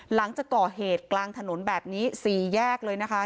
หลังจากก่อเหตุกลางถนนแบบนี้๔แยกเลยนะคะ